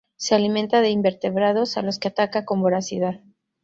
Se alimenta de invertebrados a los que ataca con voracidad.